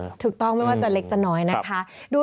ถูกต้องไม่ว่าจะเล็กจะน้อยนะคะ